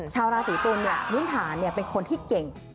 ชาวราศีตุลพื้นฐานเป็นคนที่เก่ง